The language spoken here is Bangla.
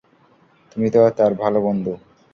তুমি তো তার ভাল বন্ধু।